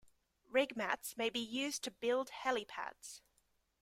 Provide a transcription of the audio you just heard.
Rig mats may be used to build helipads.